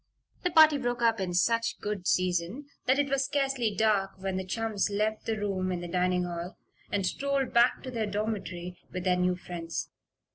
The party broke up in such good season, that it was scarcely dark when the chums left the room in the dining hall and strolled back to their dormitory with their new friends.